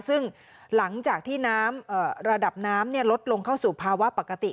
ซึ่งหลังจากที่น้ำระดับน้ำลดลงเข้าสู่ภาวะปกติ